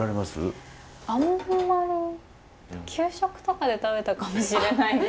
あんま給食とかで食べたかもしれないです。